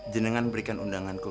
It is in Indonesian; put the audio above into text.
jangan berikan undanganku